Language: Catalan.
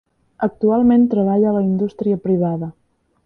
Actualment treballa a la indústria privada.